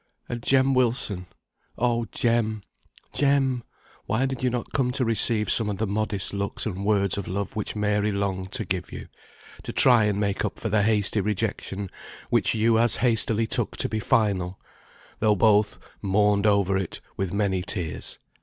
And Jem Wilson! Oh, Jem, Jem, why did you not come to receive some of the modest looks and words of love which Mary longed to give you, to try and make up for the hasty rejection which you as hastily took to be final, though both mourned over it with many tears.